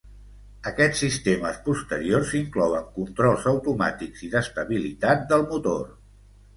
Aquests sistemes posteriors inclouen controls automàtics i d'estabilitat del motor.